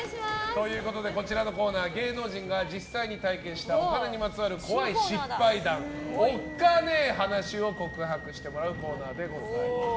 こちらのコーナー芸能人が実際に体験したお金にまつわる怖い失敗談おっカネ話を告白してもらうコーナーです。